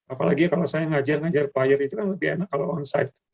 apalagi kalau saya ngajar ngajar player itu kan lebih enak kalau onside